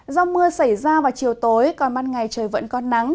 do mưa xảy ra vào chiều tối còn ban ngày trời vẫn có nắng